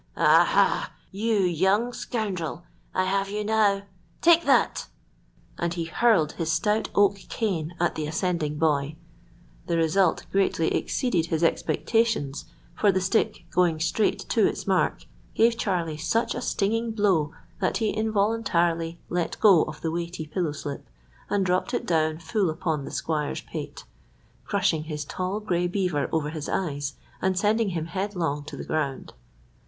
"Aha, you young scoundrel! I have you now. Take that!" And he hurled his stout oak cane at the ascending boy. The result greatly exceeded his expectations, for the stick, going straight to its mark, gave Charlie such a stinging blow that he involuntarily let go of the weighty pillow slip, and down it dropped full upon the squire's pate, crushing his tall gray beaver over his eyes and sending him headlong to the ground.